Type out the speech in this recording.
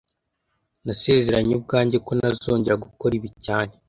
Nasezeranye ubwanjye ko ntazongera gukora ibi cyane